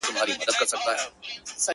حافظه يې ژوندۍ ساتي تل تل,